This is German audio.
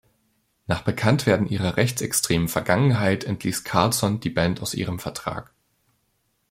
Nach Bekanntwerden ihrer rechtsextremen Vergangenheit entließ Karlsson die Band aus ihrem Vertrag.